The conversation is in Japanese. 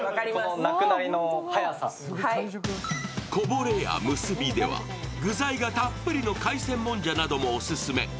こぼれや結では具材がたっぷりな海鮮もんじゃなどもオススメ。